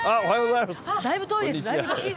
だいぶ遠いです